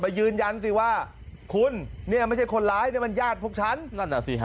ยืนยันสิว่าคุณเนี่ยไม่ใช่คนร้ายเนี่ยมันญาติพวกฉันนั่นน่ะสิฮะ